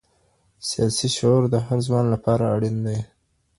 سياسي شعور د هر ځوان لپاره اړين دی.